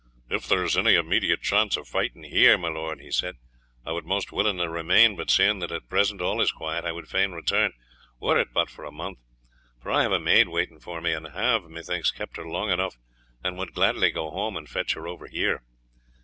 "If there was any immediate chance of fighting here, my lord," he said, "I would most willingly remain, but seeing that at present all is quiet, I would fain return, were it but for a month; for I have a maid waiting for me, and have, methinks, kept her long enough, and would gladly go home and fetch her over here."